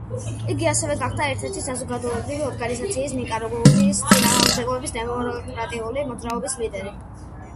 იგი ასევე გახდა ერთ-ერთი საზოგადოებრივი ორგანიზაციის ნიკარაგუის წინააღმდეგობის დემოკრატიული მოძრაობის ლიდერი.